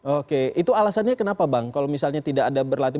oke itu alasannya kenapa bang kalau misalnya tidak ada berlatih